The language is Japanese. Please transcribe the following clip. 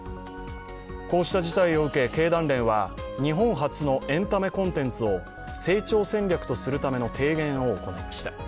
こうした事態を受け、経団連は日本発のエンタメコンテンツを成長戦略とするための提言を行いました。